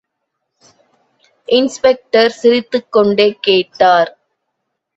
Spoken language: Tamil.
இன்ஸ்பெக்டர் சிரித்துக் கொண்டே கேட்டார்.